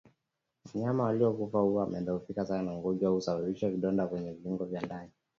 Wanyama waliokufa huwa wamedhoofika sana Ugonjwa huu hausababishi vidonda kwenye viungo vya ndani